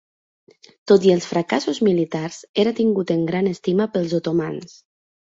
Tot i els fracassos militars, era tingut en gran estima pels otomans.